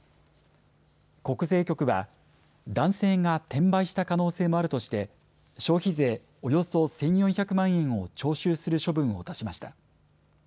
国税局は男性が転売した可能性もあるとして消費税およそ１４００万円を徴収する処分を出しました。